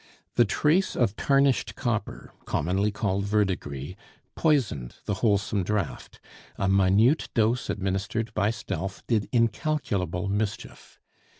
The trace of tarnished copper, commonly called verdigris, poisoned the wholesome draught; a minute dose administered by stealth did incalculable mischief.